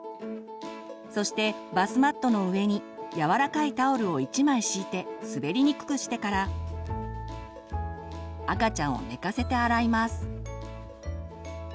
そしてバスマットの上に柔らかいタオルを１枚敷いて滑りにくくしてから赤ちゃんを寝かせて洗います。